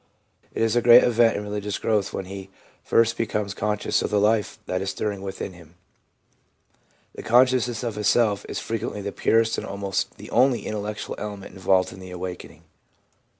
It is a great event in religious growth when he first becomes con scious of the life that is stirring within him. The con sciousness of a self is frequently the purest and almost the only intellectual element involved in the awakening.